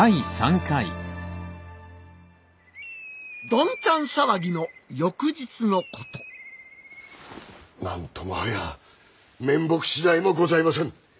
どんちゃん騒ぎの翌日のこと何ともはや面目次第もございませぬ。